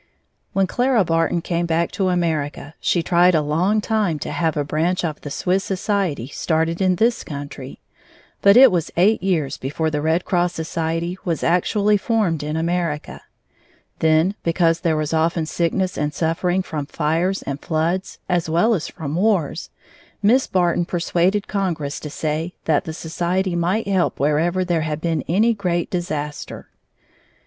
When Clara Barton came back to America, she tried a long time to have a branch of the Swiss society started in this country, but it was eight years before the Red Cross Society was actually formed in America. Then, because there was often sickness and suffering from fires and floods, as well as from wars, Miss Barton persuaded Congress to say that the society might help wherever there had been any great disaster.